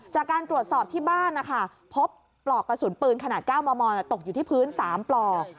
จากการตรวจสอบที่บ้านนะคะพบปลอกกระสุนปืนขนาด๙มมตกอยู่ที่พื้น๓ปลอก